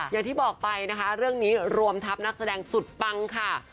อย่างที่บอกไปนะคะเรื่องนี้รวมทัพนักแสดงสุดปังค่ะ